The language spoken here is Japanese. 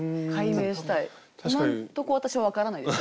今んとこ私分からないです。